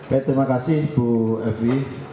baik terima kasih bu evi